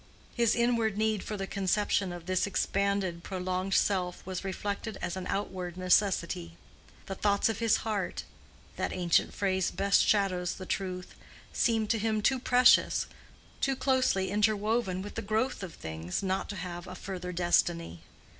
His inward need for the conception of this expanded, prolonged self was reflected as an outward necessity. The thoughts of his heart (that ancient phrase best shadows the truth) seemed to him too precious, too closely interwoven with the growth of things not to have a further destiny.